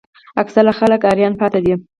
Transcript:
اکثره خلک حیران پاتې دي.